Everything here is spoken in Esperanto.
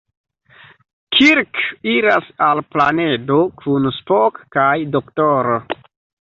Kirk iras al planedo kun Spock kaj D-ro.